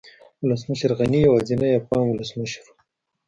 ولسمشر غني يوازينی افغان ولسمشر و